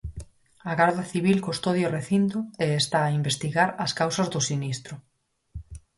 A Garda Civil custodia o recinto e está a investigar as causas do sinistro.